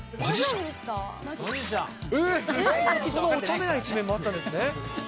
そんなおちゃめな一面もあったんですね。